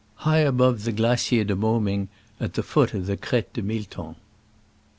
t High above the Glacier de Moming at the foot of the Crete de Milton.